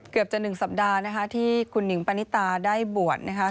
เกือบจะหนึ่งสัปดาห์นะฮะที่คุณหนิงปานิตาได้บวชนะฮะ